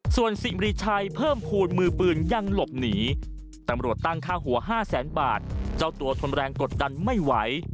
ส่วนสิ่งรีชัยเพิ่มภูมิมือปืนยังหลบหนีตำรวจตั้งค่าหัวห้าแสนบาทเจ้าตัวทนแรงกดดันไม่ไหว